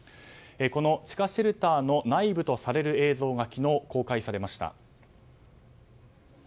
この地下シェルターの内部とされる映像が昨日公開されました。